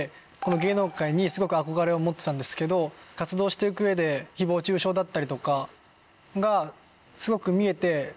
芸能界にすごく憧れを持ってたんですけど活動して行く上で誹謗中傷だったりとかがすごく見えて。